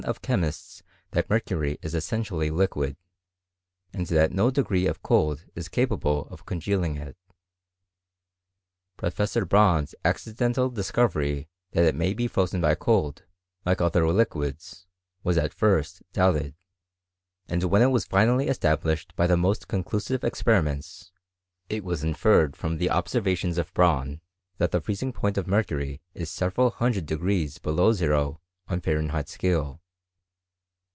of chemists that mercury is essentially liquid, and that no degree of cold is capable of congealing it. Professor Braun's accidental discovery that it may be frozen by cold, like other liquids, was at first doubted ; and when it was finally established by the most conclusive experi ^ ments, it was inferred from the observations of Braun that the freezing point of mercury is several hundred degrees below zero on Fahrenheit's scale.